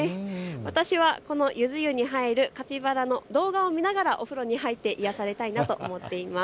私は、このゆず湯に入るカピバラの動画を見ながらお風呂に入って癒やされたいなと思います。